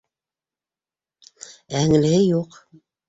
Ә һеңлеһе юҡ.